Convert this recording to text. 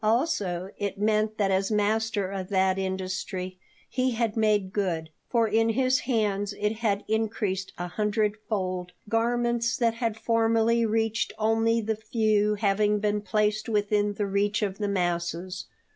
Also, it meant that as master of that industry he had made good, for in his hands it had increased a hundredfold, garments that had formerly reached only the few having been placed within the reach of the masses.